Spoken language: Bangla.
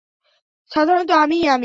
সাধারণত, আমি আমিই।